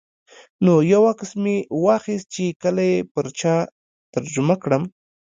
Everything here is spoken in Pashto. نو یو عکس مې واخیست چې کله یې پر چا ترجمه کړم.